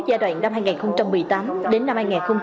giai đoạn năm hai nghìn một mươi tám đến năm hai nghìn hai mươi